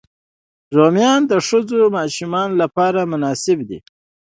رومیان د ښوونځي ماشومانو لپاره مناسب دي